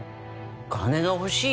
金が欲しい？